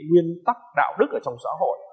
nguyên tắc đạo đức ở trong xã hội